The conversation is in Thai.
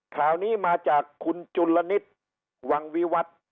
ข่าวนี้มาจากคุณจุลนิษฐ์วังวิวัตร